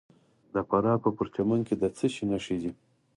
د فراه په پرچمن کې د څه شي نښې دي؟